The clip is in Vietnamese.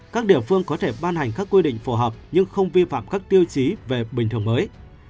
các địa phương có thể ban hành các quy định phù hợp nhưng không vi phạm các tiêu chí về bình thường mới